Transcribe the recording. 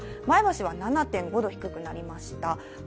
前橋は７．５度低くなりました。